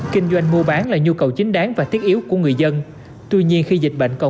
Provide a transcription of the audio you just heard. kinh doanh mua bán là nhu cầu chính đáng và thiết yếu của người dân tuy nhiên khi dịch bệnh còn